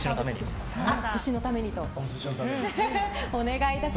寿司のために。